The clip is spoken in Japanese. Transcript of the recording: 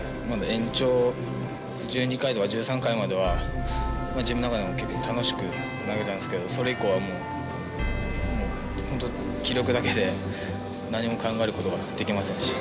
延長１２回とか１３回までは自分の中でも結構楽しく投げたんですけどそれ以降はもう本当気力だけで何も考えることができませんでした。